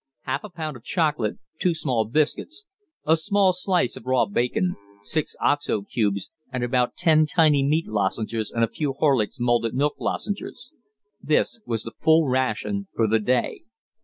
Half a pound of chocolate, two small biscuits, a small slice of raw bacon, six oxo cubes and about ten tiny meat lozenges and a few Horlick's malted milk lozenges this was the full ration for the day.